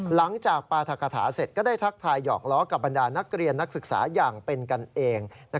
หลังจากปราธกฐาเสร็จก็ได้ทักทายหอกล้อกับบรรดานักเรียนนักศึกษาอย่างเป็นกันเอง